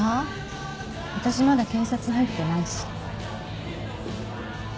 わたしまだ警察入ってないし。